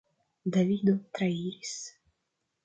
Davido trairis.